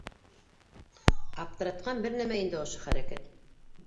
Аптыратҡан бер нәмә инде ошо хәрәкәт.